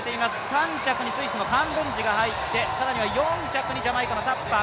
３着にスイスのカンブンジが入って更には４着にジャマイカのタッパー